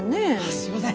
すみません。